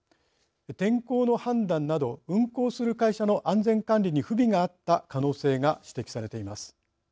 天候の判断など運航する会社の安全管理に不備があった可能性が指摘されています。